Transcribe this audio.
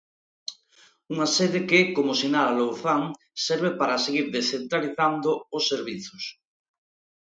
Unha sede que, como sinala Louzán, serve para "seguir descentralizando os servizos".